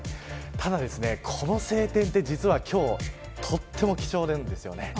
ただ、この晴天は実は今日とても貴重なんです。